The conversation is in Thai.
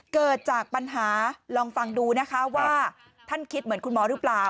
เกิดจากปัญหาลองฟังดูนะคะว่าท่านคิดเหมือนคุณหมอหรือเปล่า